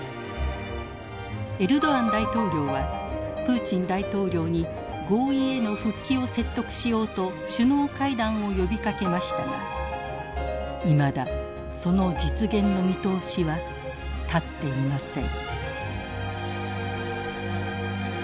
エルドアン大統領はプーチン大統領に合意への復帰を説得しようと首脳会談を呼びかけましたがいまだその実現の見通しは立っていません。